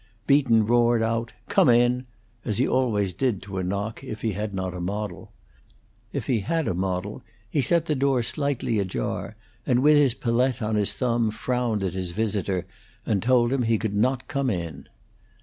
Beaton roared out, "Come in!" as he always did to a knock if he had not a model; if he had a model he set the door slightly ajar, and with his palette on his thumb frowned at his visitor and told him he could not come in.